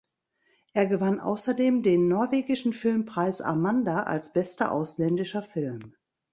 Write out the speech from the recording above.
Er gewann außerdem den norwegischen Filmpreis Amanda als Bester ausländischer Film.